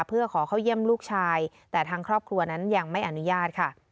เพื่อขอเข้าเยี่ยมลูกชายแต่ทางครอบครัวนั้นยังไม่อนุญาตค่ะ